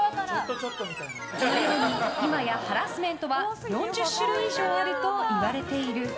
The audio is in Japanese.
このように、今やハラスメントは４０種類以上あるといわれている。